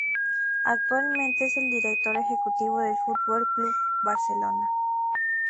Actualmente es el director ejecutivo del Fútbol Club Barcelona.